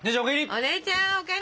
姉ちゃんお帰り！